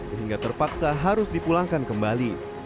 sehingga terpaksa harus dipulangkan kembali